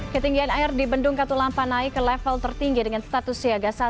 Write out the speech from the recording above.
ketinggian air di bendung katulampa naik ke level tertinggi dengan status siaga satu